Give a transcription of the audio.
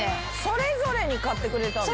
それぞれに買ってくれたの？